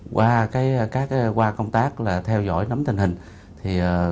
qua các qua công tác theo dõi nắm tình hình